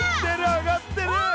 あがってる！